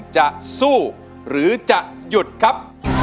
จะสู้หรือจะหยุดครับ